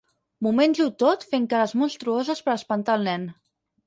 M'ho menjo tot fent cares monstruoses per espantar el nen.